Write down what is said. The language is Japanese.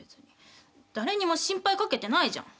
誰にも心配かけてないじゃん。